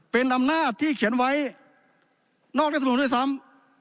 เป็นอำนาจที่เขียนไว้นอกรัฐมนุนด้วยซ้ำ